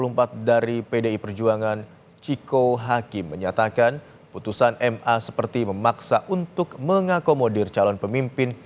menjadi terhitung sejak penetapan calon pemimpin